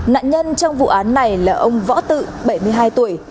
nạn nhân trong vụ án này là ông võ tự bảy mươi hai tuổi